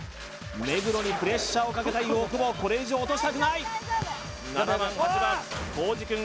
目黒にプレッシャーをかけたい大久保これ以上落としたくない７番８番コージくん